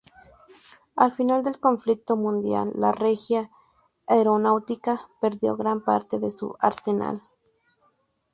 Al final del conflicto mundial la Regia Aeronautica perdió gran parte de su arsenal.